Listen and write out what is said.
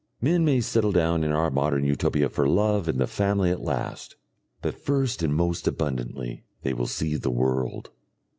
Men may settle down in our Modern Utopia for love and the family at last, but first and most abundantly they will see the world.